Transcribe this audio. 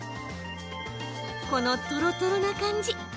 このとろとろな感じ